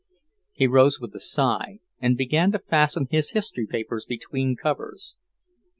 He rose with a sigh and began to fasten his history papers between covers.